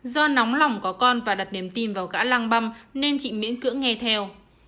do nóng lỏng có con và đặt niềm tin vào gã lang băm nên chị miễn cữ nghe theo